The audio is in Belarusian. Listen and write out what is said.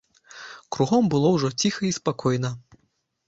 Кругом было ўжо ціха і спакойна.